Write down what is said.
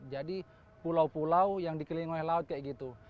jadi pulau pulau yang dikelilingi oleh laut kayak gitu